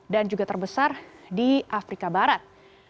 dan juga terbesar di afrika barat